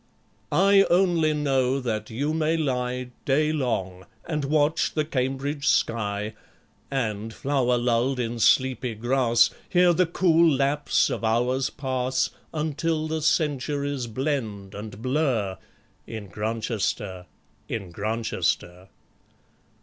I only know that you may lie Day long and watch the Cambridge sky, And, flower lulled in sleepy grass, Hear the cool lapse of hours pass, Until the centuries blend and blur In Grantchester, in Grantchester.